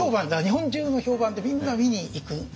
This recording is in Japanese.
日本中の評判でみんな見に行くんです。